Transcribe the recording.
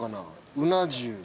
うな重。